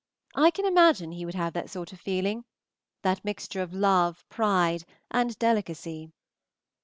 I can imagine he would have that sort of feeling, that mixture of love, pride, and delicacy.